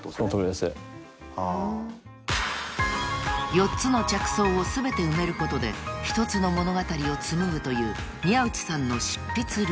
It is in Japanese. ［４つの着想を全て埋めることで１つの物語を紡ぐという宮内さんの執筆ルール］